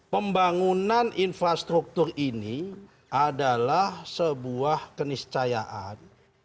pembangunan infrastruktur ini adalah sebuah keniscayaan